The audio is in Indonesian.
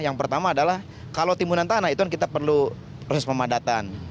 yang pertama adalah kalau timunan tanah itu kita perlu proses pemadatan